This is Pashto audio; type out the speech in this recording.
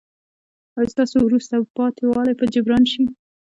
ایا ستاسو وروسته پاتې والی به جبران شي؟